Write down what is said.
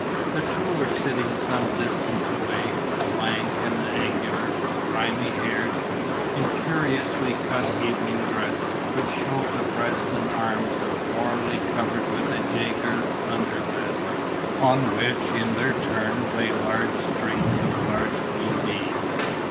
The two were sitting some distance away, lank and angular, grimy haired, in curiously cut evening dress, which showed the breast and arms warmly covered with a Jaeger undervest, on which, in their turn, lay strings of large blue beads.